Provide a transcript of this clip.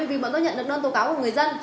vì bọn tôi nhận được đơn tố cáo của người dân